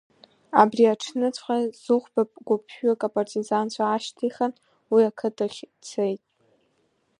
Абри аҽныҵәҟьа, Зыхәба гәыԥҩык апартизанцәа аашьҭихын, уи ақыҭахь дцеит.